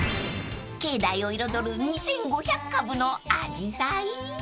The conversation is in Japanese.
［境内を彩る２，５００株のあじさい］